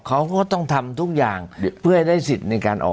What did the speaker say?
เขาก็ต้องทำทุกอย่างเพื่อให้ได้สิทธิ์ในการออก